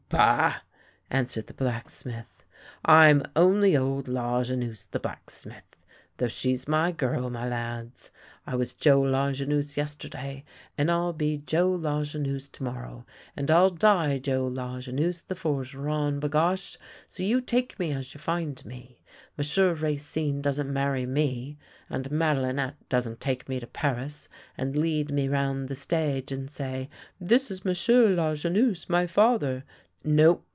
" "Bah!" answered the blacksmith. "I'm only old Lajeunesse the blacksmith, though she's my girl, my lads. I was Joe Lajeunesse yesterday, and I'll be Joe Lajeunesse to morrow, and I'll die Joe Lajeunesse the forgeron — bagosh! So you take me as you find me. M'sieu' Racine doesn't marry me. And Madelinette doesn't take me to Paris, and lead me round the stage and say, ' This is M'sieu' Lajeunesse, my father.' No.